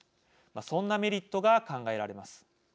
そんなメリットが考えられます。